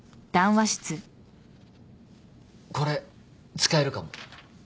これ使えるかも。